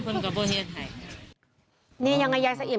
คุณสังเงียมต้องตายแล้วคุณสังเงียม